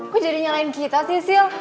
gue jadi nyalain kita sih sil